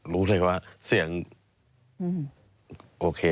รู้เลยว่าเสียงโอเคเลย